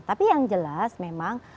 tapi yang jelas memang